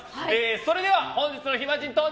それでは、本日の暇人登場！